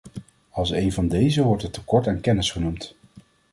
Als een van deze wordt het tekort aan kennis genoemd.